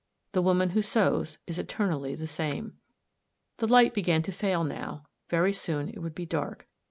The woman who sews is eternally the same. The light began to fail now ; very soon it would be dark.